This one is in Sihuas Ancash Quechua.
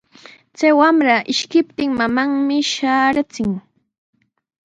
Chay wamra ishkiptin mamanmi shaarichin.